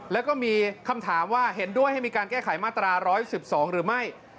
แล้วก็มีคำถามว่าเห็นด้วยให้มีการแก้ไขมาตรา๑๑๒หรือไม่